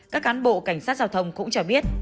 các cán bộ cảnh sát giao thông cũng cho biết